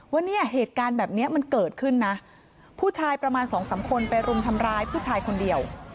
ว่าเนี่ยเหตุการณ์แบบนี้มันเกิดขึ้นนะผู้ชายประมาณสองสามคนไปรุมทำร้ายผู้ชายคนเดียว